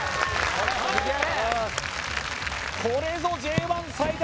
これぞＪ１最多